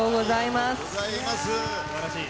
すばらしい。